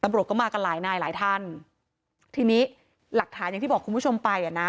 ตำรวจก็มากันหลายนายหลายท่านทีนี้หลักฐานอย่างที่บอกคุณผู้ชมไปอ่ะนะ